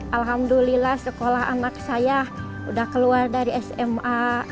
alhamdulillah sekolah anak saya udah keluar dari sma